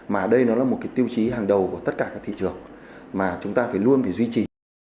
mà đây nó là một cái tiêu chí hàng đầu của tất cả các thị trường mà chúng ta phải luôn phải duy trì